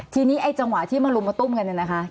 ทีนี้ไอ้จังหวะที่มาลุมมาตุ้มกันเนี่ยนะคะ